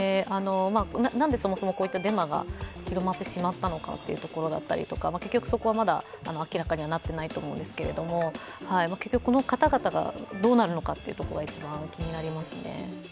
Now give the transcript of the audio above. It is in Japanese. なんでそもそもこういったデマが広がってしまったのかということだったり結局、そこはまだ明らかにはなってないと思うんですけどこの方々がどうなるのかということが一番気になりますね。